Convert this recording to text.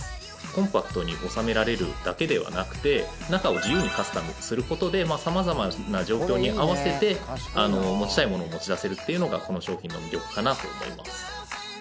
コンパクトに収められるだけではなくて中を自由にカスタムすることで様々な状況に合わせて持ちたいものを持ち出せるというのがこの商品の魅力かなと思います。